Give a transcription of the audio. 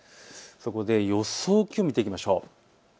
そこで予想気温を見ていきましょう。